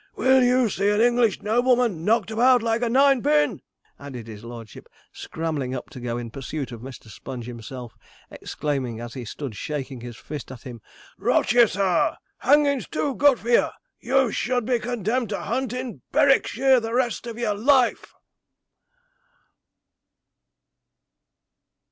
Will you see an English nobleman knocked about like a ninepin?' added his lordship, scrambling up to go in pursuit of Mr. Sponge himself, exclaiming, as he stood shaking his fist at him, 'Rot ye, sir! hangin's too good for ye! you should be condemned to hunt in Berwickshire the rest of your life!'